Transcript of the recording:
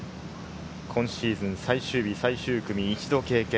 今シーズン、最終日最終組、一度経験。